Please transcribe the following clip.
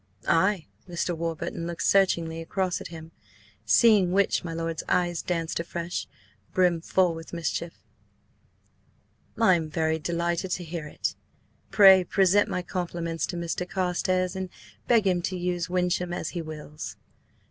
"Ay." Mr. Warburton looked searchingly across at him, seeing which, my lord's eyes danced afresh, brim full with mischief. "I am very delighted to hear it. Pray present my compliments to Mr. Carstares and beg him to use Wyncham as he wills."